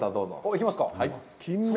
行きますか。